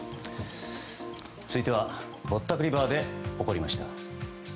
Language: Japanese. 続いてはぼったくりバーで起こりました。